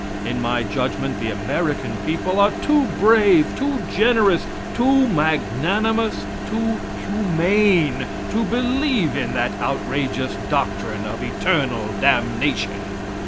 In my judgment the American people are too brave, too generous, too magnanimous, too humane to believe in that outrageous doctrine of eternal damnation.